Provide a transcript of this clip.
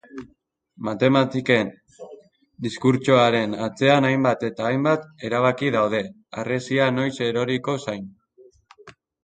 Matematiken diskurtsoaren atzean hainbat eta hainbat erabaki daude harresia noiz eroriko zain.